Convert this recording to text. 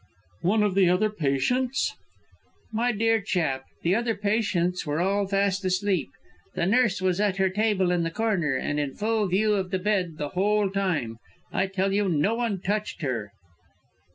"One of the other patients " "My dear chap, the other patients were all fast asleep! The nurse was at her table in the corner, and in full view of the bed the whole time. I tell you no one touched her!"